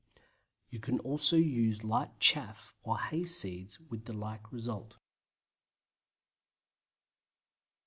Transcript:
You can also use light chaff or hay seeds with the like result.